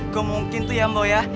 gak mungkin tuh ya mbak ya